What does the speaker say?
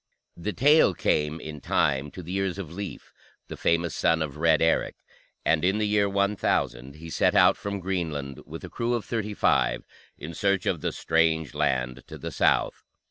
The tale came, in time, to the ears of Leif, the famous son of Red Eric, and in the year 1000 he set out from Greenland, with a crew of thirty five, in search of the strange land to the south.